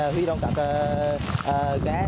huy động các ghé